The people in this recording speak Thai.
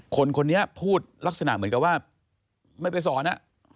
คนนี้พูดลักษณะเหมือนกับว่าไม่ไปสอน